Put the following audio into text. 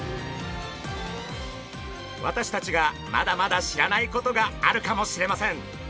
私たちがまだまだ知らないことがあるかもしれません。